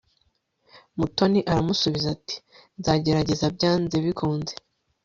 mutoni aramusubiza ati 'nzagerageza byanze bikunze